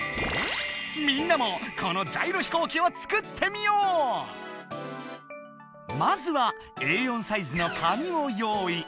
みんなもこのまずはＡ４サイズの紙を用意。